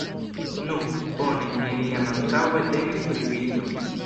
Nu, bone, neniam antaŭe temis pri virino.